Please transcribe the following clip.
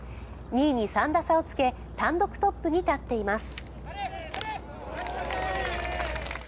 ２位に３打差をつけ単独トップに立っています。